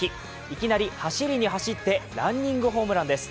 いきなり、走りに走ってランニングホームランです。